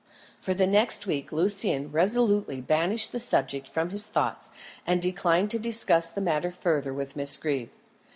For the next week Lucian resolutely banished the subject from his thoughts, and declined to discuss the matter further with Miss Greeb.